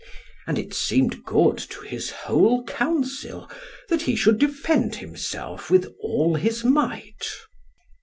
And it seemed good to his whole council, that he should defend himself with all his might.